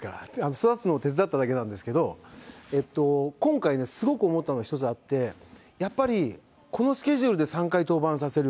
育つのを手伝っただけなんですけど、今回、すごく思ったのが一つあって、やっぱりこのスケジュールで３回登板させる。